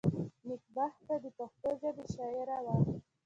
نېکبخته دپښتو ژبي شاعره وه.